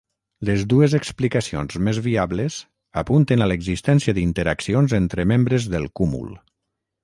Les dues explicacions més viables apunten a l'existència d'interaccions entre membres del cúmul.